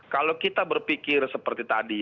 kalau kita berpikir seperti tadi